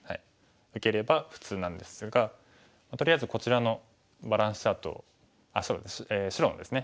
受ければ普通なんですがとりあえずこちらのバランスチャートを白のですね